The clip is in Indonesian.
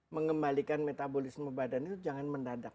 mengembalikan metabolisme badan itu jangan mendadak